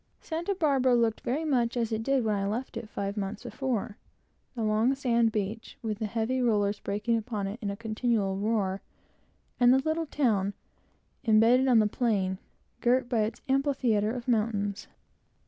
Santa Barbara looked very much as it did when I left it five months before: the long sand beach, with the heavy rollers, breaking upon it in a continual roar, and the little town, imbedded on the plain, girt by its amphitheatre of mountains.